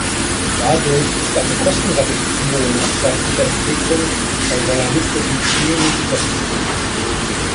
Dadurch ist eine Kostenreduktion auf Seiten der Entwicklung bei realistischen Zielen sichergestellt.